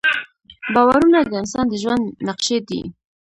باورونه د انسان د ژوند نقشې دي.